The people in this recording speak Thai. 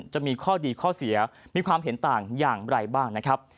จะมีข้อดีข้อเสียมีความเห็นต่างอย่างไรบ้างนะครับ